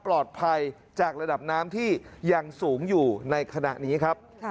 ปลอดภัยจากระดับน้ำที่ยังสูงอยู่ในขณะนี้ครับ